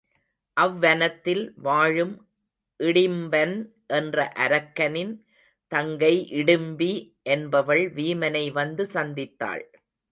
அவ்வனத்தில் வாழும் இடிம்பன் என்ற அரக்கனின் தங்கை இடிம்பி என்பவள் வீமனை வந்து சந்தித்தாள்.